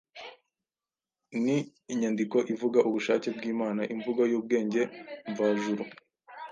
Ni inyandiko ivuga ubushake bw’Imana, imvugo y’ubwenge mvajuru